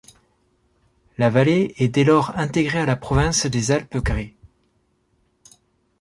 La vallée est dès lors intégrée à la province des Alpes grées.